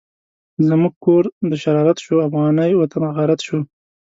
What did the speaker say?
زموږ کور د شرارت شو، افغانی وطن غارت شو